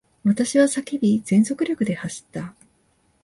私は叫び、全速力で走った。